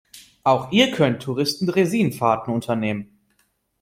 Auf ihr können Touristen Draisinen-Fahrten unternehmen.